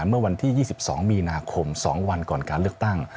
เมื่อวันที่๒๒มีนาคม๒วันก่อนการเลือกตั้ง